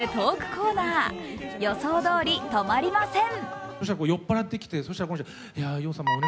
そしてトークコーナー予想どおり、止まりません。